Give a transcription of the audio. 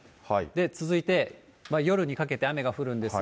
続いて夜にかけて雨が降るんですが。